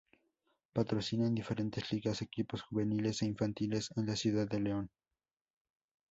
Patrocina en diferentes ligas equipos juveniles e infantiles en la Ciudad de León.